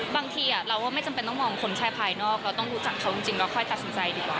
บางทีเราก็ไม่จำเป็นต้องมองคนแค่ภายนอกเราต้องรู้จักเขาจริงเราค่อยตัดสินใจดีกว่า